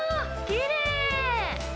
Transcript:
きれい。